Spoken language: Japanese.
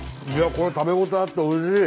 これ食べ応えあっておいしい。